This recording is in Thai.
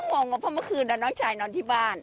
งงว่าเพราะเมื่อคืนน้องชายนอนที่บ้าน